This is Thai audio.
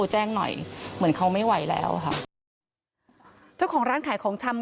เจ้าของร้านขายของชำ